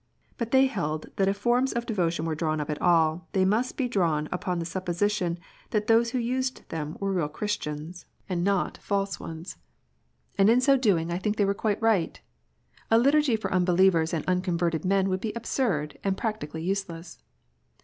But they held that if forms of de votion were drawn up at all, they must be drawn up on the supposition that those who used them were real Christians, and \ PRAYER BOOK STATEMENTS : REGENERATION. 137 not false ones. And in so doing I think they were quite right. A Liturgy for unbelievers and unconverted men would be absurd, and practically useless